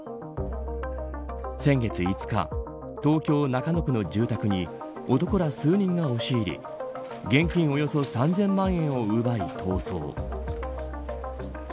先月５日東京、中野区の住宅に男ら数人が押し入り現金およそ３０００万円を奪い逃走。